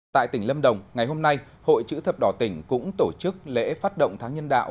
tại tỉnh lâm đồng ngày hôm nay hội chữ thập đỏ tỉnh cũng tổ chức lễ phát động tháng nhân đạo